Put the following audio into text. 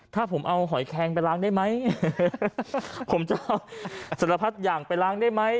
ถ้าผมเอาหอยแคงไปล้างได้ไหมผมจะเอาสารพัดอย่างไปล้างได้ไหม